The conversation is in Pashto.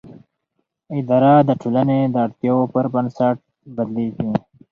اداره د ټولنې د اړتیاوو پر بنسټ بدلېږي.